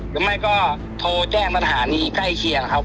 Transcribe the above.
หรือไม่ก็โทรแจ้งปัญหานี้ใกล้เคียงครับ